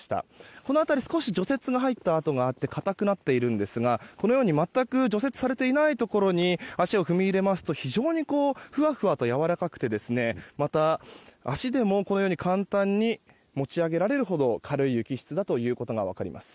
この辺り、少し除雪が入った跡があって固くなっているんですがこのように全く除雪されていないところに足を踏み入れますと非常にふわふわとやわらかくて、また足でも簡単に持ち上げられるほど軽い雪質だということが分かります。